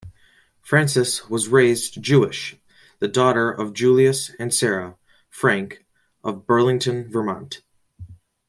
Frances was raised Jewish, the daughter of Julius and Sarah Frank of Burlington, Vermont.